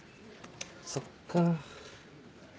そっか。